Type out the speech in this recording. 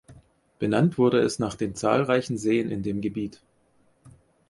Benannt wurde es nach den zahlreichen Seen in dem Gebiet.